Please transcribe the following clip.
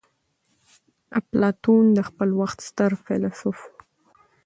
اپلاتون د خپل وخت ستر فيلسوف وو.